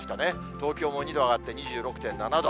東京も２度上がって、２６．７度。